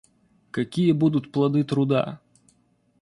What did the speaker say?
Какие будут плоды труда?